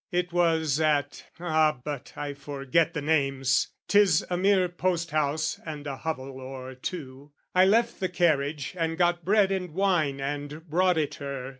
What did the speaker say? It was at...ah, but I forget the names! 'Tis a mere post house and a hovel or two, I left the carriage and got bread and wine And brought it her.